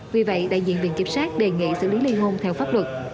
vì vậy đại diện viện kiểm sát đề nghị xử lý liên hôn theo pháp luật